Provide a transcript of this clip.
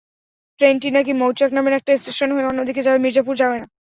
ট্রেনটা নাকি মৌচাক নামের একটা স্টেশন হয়ে অন্যদিকে যাবে, মির্জাপুর যাবে না।